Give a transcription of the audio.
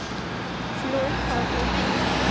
Fluor Hanford Inc.